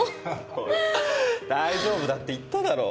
ほら大丈夫だって言っただろ。